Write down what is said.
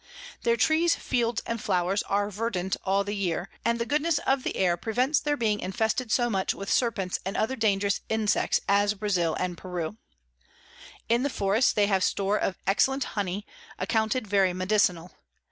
Their Trees, Fields, and Flowers are verdant all the Year, and the Goodness of the Air prevents their being infested so much with Serpents and other dangerous Insects as Brazile and Peru. In the Forests they have Store of excellent Honey, accounted very medicinal.